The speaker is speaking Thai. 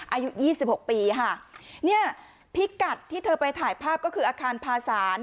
อายุยี่สิบหกปีค่ะเนี่ยพิกัดที่เธอไปถ่ายภาพก็คืออาคารพาสาร